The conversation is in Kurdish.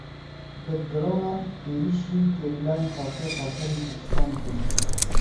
Bi dronan êrişî gerîlayên Partiya Karkerên Kurdistanê kirin.